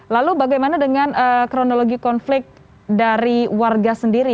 lalu bagaimana dengan kronologi konflik dari warga sendiri